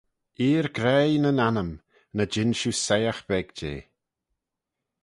Eer graih nyn annym, ny jean shiu soieagh beg jeh.